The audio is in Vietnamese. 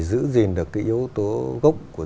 giữ gìn được yếu tố gốc của